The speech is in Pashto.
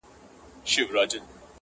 اوپر هر میدان کامیابه پر دښمن سې،